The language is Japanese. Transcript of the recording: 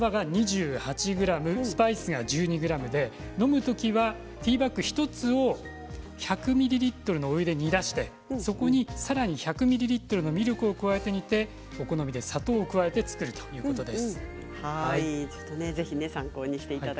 飲む時はティーバッグ１つを１００ミリリットルのお湯で煮出して、そこにさらに１００ミリリットルのミルクを加えて煮てお好みで砂糖を加えて作るということです。